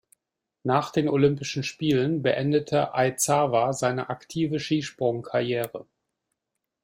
Nach den Olympischen Spielen beendete Aizawa seine aktive Skisprungkarriere.